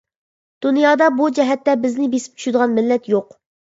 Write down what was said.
دۇنيادا بۇ جەھەتتە بىزنى بېسىپ چۈشىدىغان مىللەت يوق.